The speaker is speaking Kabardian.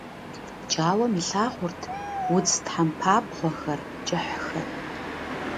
Пкӏауэм илъагъурт удз тхьэмпабгъуэхэр, кӏыхьхэр.